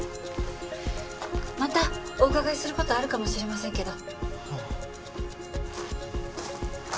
またお伺いする事あるかもしれませんけど。